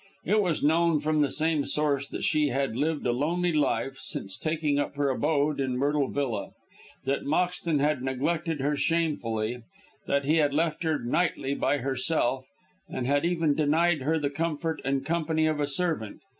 It was known from the same source that she had lived a lonely life since taking up her abode in Myrtle Villa, that Moxton had neglected her shamefully, that he had left her nightly by herself, and had even denied her the comfort and company of a servant.